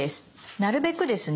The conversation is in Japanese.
なるべくですね